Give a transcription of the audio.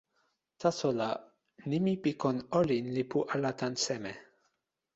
taso la, nimi pi kon olin li pu ala tan seme?